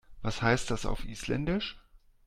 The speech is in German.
Was heißt das auf Isländisch?